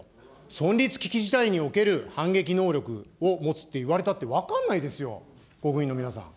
存立危機事態における反撃能力を持つって言われたって分かんないですよ、国民の皆さん。